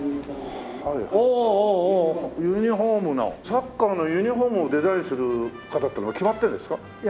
サッカーのユニホームをデザインする方っていうのは決まってるんですか？